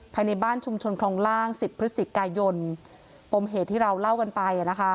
ภายในบ้านชุมชนคลองล่าง๑๐พฤศจิกายนปมเหตุที่เราเล่ากันไป